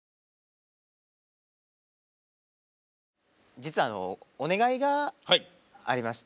実はあのお願いがありまして。